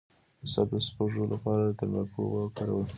د سر د سپږو لپاره د تنباکو اوبه وکاروئ